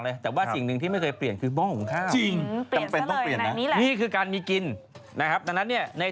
ให้คุณผู้ชมเตรียมก่อนต้องเตรียมอะไรบ้างเริ่มกับอะไร